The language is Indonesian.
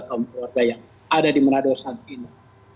kaum keluarga yang ada di manado santina